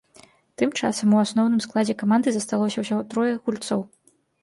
Тым часам у асноўным складзе каманды засталося ўсяго трое гульцоў.